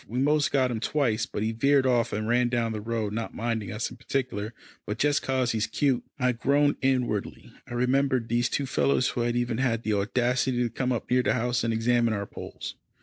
We most got him twice, but he veered off and ran down the road, not minding us in particular, but just 'cause he's cute." I groaned inwardly. I remembered these two fellows who had even had the audacity to come up near the house and examine our poles.